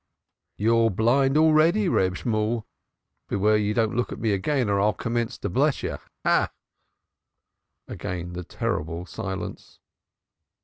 You're blind already, Reb Shemuel. Beware you don't look at me again or I'll commence to bless you. Ha! Ha! Ha!" Again the terrible silence.